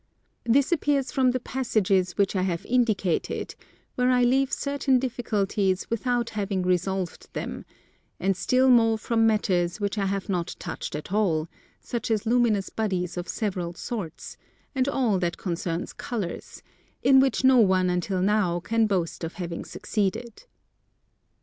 This appears from the passages which I have indicated where I leave certain difficulties without having resolved them, and still more from matters which I have not touched at all, such as Luminous Bodies of several sorts, and all that concerns Colours; in which no one until now can boast of having succeeded.